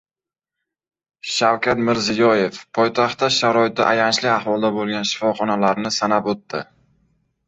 Shavkat Mirziyoyev poytaxtda sharoiti ayanchli ahvolda bo‘lgan shifoxonalarni sanab o‘tdi